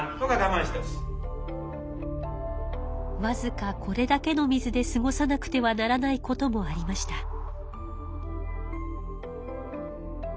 わずかこれだけの水で過ごさなくてはならないこともありました。